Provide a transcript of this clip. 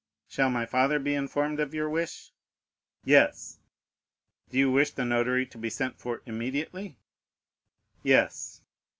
"Shall my father be informed of your wish?" "Yes." "Do you wish the notary to be sent for immediately?" "Yes."